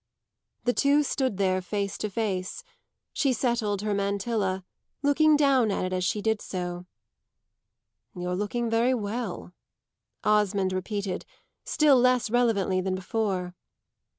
The two stood there face to face; she settled her mantilla, looking down at it as she did so. "You're looking very well," Osmond repeated still less relevantly than before.